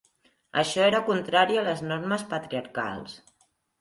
Això era contrari a les normes patriarcals.